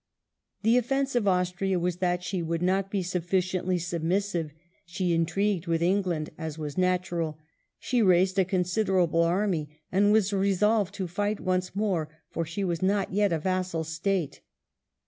The offence of Austria was that she would not be sufficiently submissive; she "intrigued" with England, as was natural; she raised a considerable army, and was resolved to fight once more, for she was not yet a vassal state.